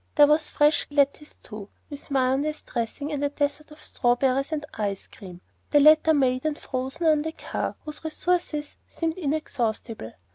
There was fresh curly lettuce too, with mayonnaise dressing, and a dessert of strawberries and ice cream, the latter made and frozen on the car, whose resources seemed inexhaustible.